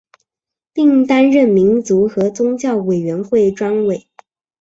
并担任民族和宗教委员会专委。